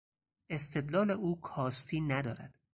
استدلال او کاستی ندارد.